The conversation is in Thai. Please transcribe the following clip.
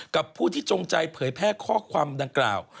กับผู้ที่จงใจเผยแพร่ข้อความดังกล่าว